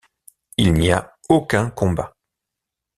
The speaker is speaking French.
Il n'y a aucun combat.